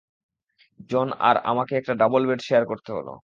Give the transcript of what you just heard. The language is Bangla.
জন আর আমাকে একটা ডাবল বেড শেয়ার করতে হল।